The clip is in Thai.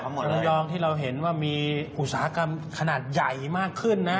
ระยองที่เราเห็นว่ามีอุตสาหกรรมขนาดใหญ่มากขึ้นนะ